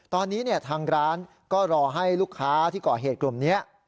ตอนนี้ทางร้านก็รอให้ลูกค้าที่ก่อเหตุกลุ่มนี้